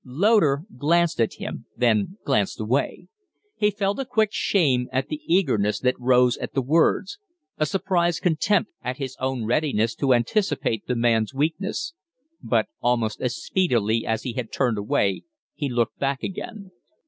Loder glanced at him, then glanced away. He felt a quick shame at the eagerness that rose at the words a surprised contempt at his own readiness to anticipate the man's weakness. But almost as speedily as he had turned away he looked back again.